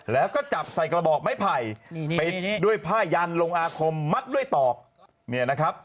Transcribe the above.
แล้วก็จับใส่กระบอกไม้ไผ่ไปด้วยผ้ายันลงอาคมมัดด้วยตอก